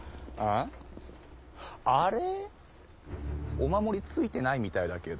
お守りついてないみたいだけど。